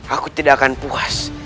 aku tidak akan puas